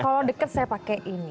kalau dekat saya pakai ini